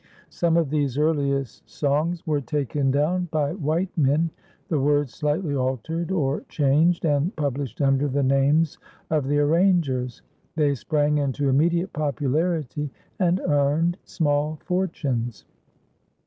Some of these earliest songs were taken down by white men, the words slightly altered or changed, and published under the names of the arrangers. They sprang into immediate popularity and earned small fortunes.